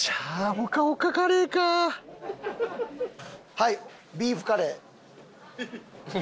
はいビーフカレー！フフ！